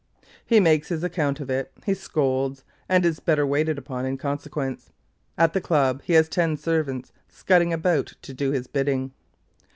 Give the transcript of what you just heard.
He makes his account of it. He scolds, and is better waited upon in consequence. At the Club he has ten servants scudding about to do his bidding.